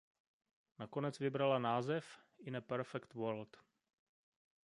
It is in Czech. Nakonec vybrala název "In a Perfect World...".